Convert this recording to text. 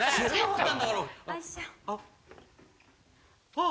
あっ。